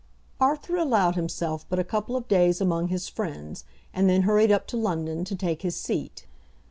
Arthur allowed himself but a couple of days among his friends, and then hurried up to London to take his seat.